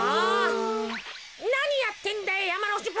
なにやってんだよやまのふプ。